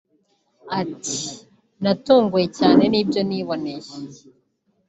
Ati “Natunguwe cyane n’ibyo niboneye